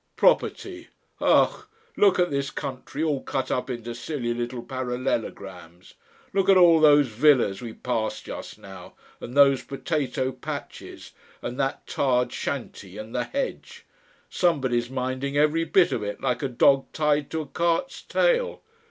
Property! Ugh! Look at this country all cut up into silly little parallelograms, look at all those villas we passed just now and those potato patches and that tarred shanty and the hedge! Somebody's minding every bit of it like a dog tied to a cart's tail.